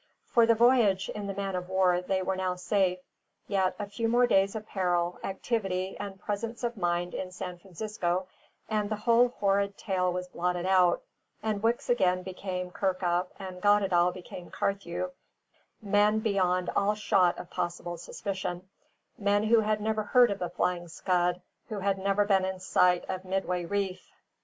For the voyage in the man of war they were now safe; yet a few more days of peril, activity, and presence of mind in San Francisco, and the whole horrid tale was blotted out; and Wicks again became Kirkup, and Goddedaal became Carthew men beyond all shot of possible suspicion, men who had never heard of the Flying Scud, who had never been in sight of Midway Reef.